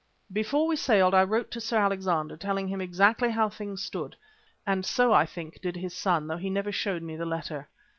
Before we sailed I wrote to Sir Alexander telling him exactly how things stood, and so I think did his son, though he never showed me the letter.